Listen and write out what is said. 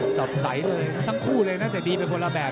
สดใสเลยทั้งคู่เลยนะแต่ดีไปคนละแบบ